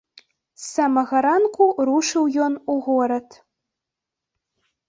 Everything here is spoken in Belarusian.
З самага ранку рушыў ён у горад.